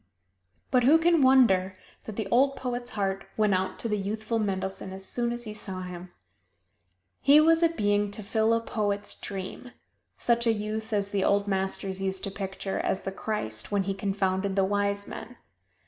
But who can wonder that the old poet's heart went out to the youthful Mendelssohn as soon as he saw him! He was a being to fill a poet's dream such a youth as the Old Masters used to picture as the Christ when He confounded the wise men.